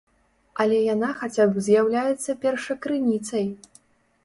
Але яна хаця б з'яўляецца першакрыніцай.